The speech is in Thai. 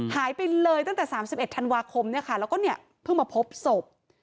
หายไปเลยตั้งแต่๓๑ธันวาคมแล้วก็เนี่ยเพิ่งมาพบศพ